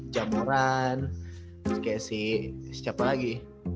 jamoran si si siapa lagi